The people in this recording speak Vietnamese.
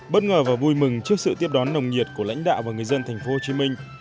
bất ngờ và vui mừng trước sự tiếp đón nồng nhiệt của lãnh đạo và người dân tp hcm